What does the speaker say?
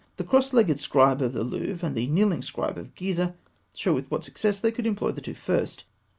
The "Cross legged Scribe" of the Louvre and the "Kneeling Scribe" of Gizeh show with what success they could employ the two first.